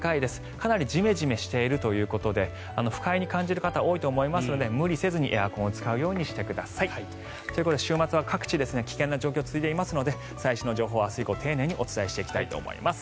かなりジメジメしているということで不快に感じる方多いと思いますので無理せずにエアコンを使うようにしてください。ということで週末は各地危険な状況が続いていますので最新の情報を明日以降丁寧にお伝えしていきます。